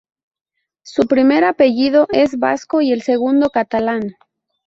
Su primer apellido es vasco y el segundo catalán.